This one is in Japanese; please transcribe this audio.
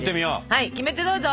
はいキメテどうぞ！